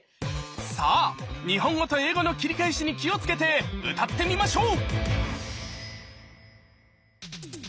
さあ日本語と英語の切り返しに気を付けて歌ってみましょう！